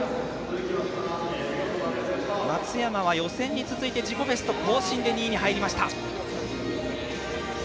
松山は、予選に続いて自己ベスト更新で２位に入りました。